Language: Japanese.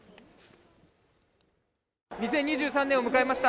２０２３年を迎えました。